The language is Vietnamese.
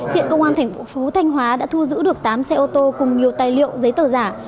hiện công an tp phú thanh hóa đã thu giữ được tám xe ô tô cùng nhiều tài liệu giấy tờ giả